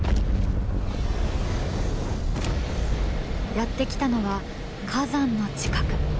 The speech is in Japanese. やって来たのは火山の近く。